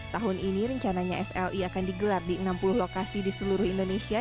tahun ini rencananya sli akan digelar di enam puluh lokasi di seluruh indonesia